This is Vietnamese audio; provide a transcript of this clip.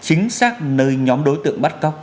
chính xác nơi nhóm đối tượng bắt cóc